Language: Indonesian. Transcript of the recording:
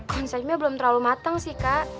konsepnya belum terlalu matang sih kak